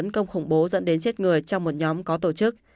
bộ bố dẫn đến chết người trong một nhóm có tổ chức